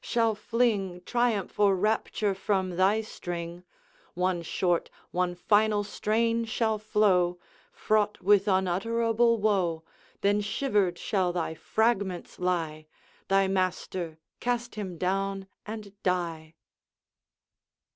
shall fling Triumph or rapture from thy string; One short, one final strain shall flow, Fraught with unutterable woe, Then shivered shall thy fragments lie, Thy master cast him down and die!'